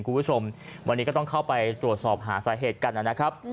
คุณผู้ชมวันนี้ก็ต้องเข้าไปตรวจสอบหาสาเหตุกันนะครับ